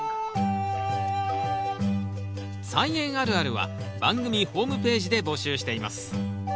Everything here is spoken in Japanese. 「菜園あるある」は番組ホームページで募集しています。